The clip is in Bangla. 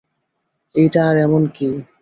এইটা আর এমন কি?